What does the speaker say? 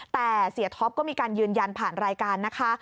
แต่เสียท็อปก็มีการยืนยันผ่านรายการนะคะ